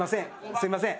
すみません。